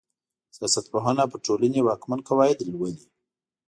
سياست پوهنه پر ټولني واکمن قواعد لولي.